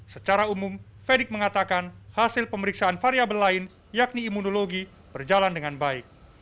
secara umum fedik mengatakan hasil pemeriksaan variabel lain yakni imunologi berjalan dengan baik